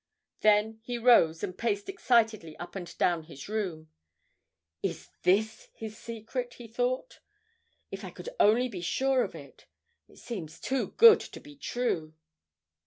Then he rose and paced excitedly up and down his room. 'Is this his secret?' he thought. 'If I could only be sure of it! It seems too good to be true